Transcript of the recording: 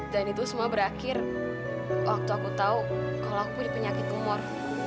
dan itu semua berakhir waktu aku tahu kalau aku pun dipenyakit umur